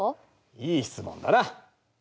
いい質問だな。